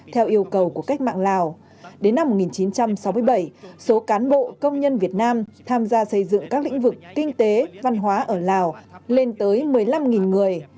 theo yêu cầu của cách mạng lào đến năm một nghìn chín trăm sáu mươi bảy số cán bộ công nhân việt nam tham gia xây dựng các lĩnh vực kinh tế văn hóa ở lào lên tới một mươi năm người